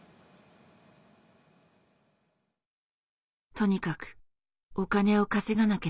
とにかくお金を稼がなければ。